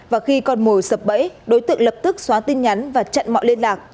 và khi con mồi sập bẫy đối tượng lập tức xóa tin nhắn và chặn mọi liên lạc